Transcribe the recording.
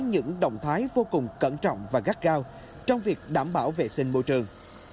những động thái vô cùng cẩn trọng và gắt gao trong việc đảm bảo vệ sinh môi trường